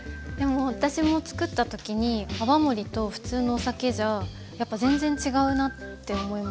私も作った時に泡盛と普通のお酒じゃやっぱ全然違うなって思いました。